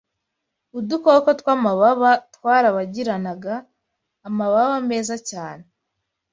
Udukoko twamababa twarabagiranaga amabara meza cyane